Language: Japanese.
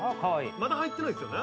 まだ入ってないですよね？